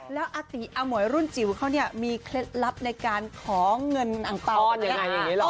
แล้วอาติอมวยรุ่นจิ๋วเขาเนี่ยมีเคล็ดลับในการขอเงินอังเปล่าอันนี้